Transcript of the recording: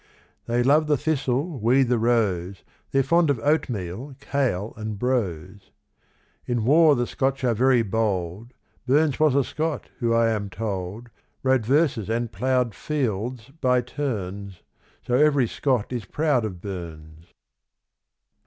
They love the thistle, we the rose, They're fond of oatmeal, kail, and brose. In war the Scotch are very bold. Burns was a Scot, who, I am told, Wrote verses and ploughed fields by turns, So every Scot is proud of Burns.